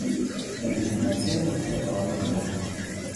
Бялізна нацельная прыгатавана зверху.